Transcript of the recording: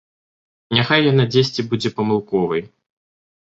Няхай яна дзесьці будзе памылковай.